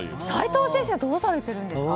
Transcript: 齋藤先生はどうしてるんですか？